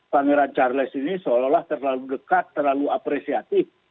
pangeran charles ini seolah olah terlalu dekat terlalu apresiatif